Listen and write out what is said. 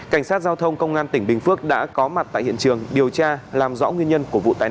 cảnh sát giao thông công an tỉnh bình phước đã có mặt tại hiện trường điều tra làm rõ nguyên nhân của vụ tai nạn